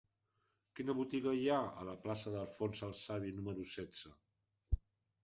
Quina botiga hi ha a la plaça d'Alfons el Savi número setze?